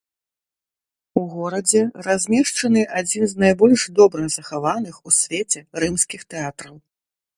У горадзе размешчаны адзін з найбольш добра захаваных у свеце рымскіх тэатраў.